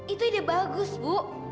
itu ide bagus bu